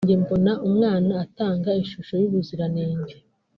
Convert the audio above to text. Ati “Njye mbona umwana atanga ishusho y’ubuziranenge